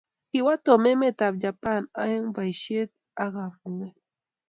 kiwo Tom emetab Japan eng boishet ago kamungeet